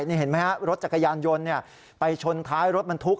นี่เห็นไหมฮะรถจักรยานยนต์ไปชนท้ายรถบรรทุก